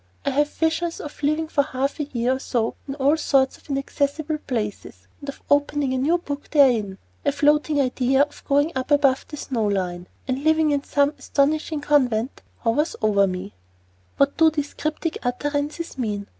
I have visions of living for half a year or so in all sorts of inaccessible places, and of opening a new book therein. A floating idea of going up above the snow line, and living in some astonishing convent, hovers over me. What do these cryptic utterances mean?